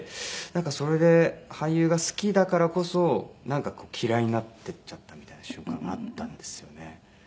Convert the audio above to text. それで俳優が好きだからこそ嫌いになっていっちゃったみたいな瞬間があったんですよね。